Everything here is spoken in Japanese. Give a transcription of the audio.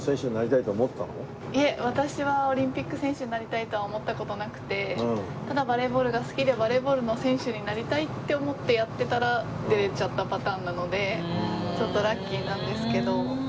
いえ私はオリンピック選手になりたいとは思った事なくてただバレーボールが好きでバレーボールの選手になりたいって思ってやってたら出れちゃったパターンなのでちょっとラッキーなんですけど。